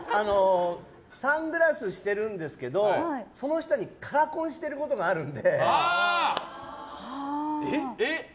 サングラスしてるんですけどその下にカラコンをしていることがあるので。